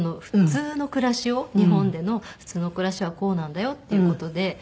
普通の暮らしを日本での普通の暮らしはこうなんだよっていう事で。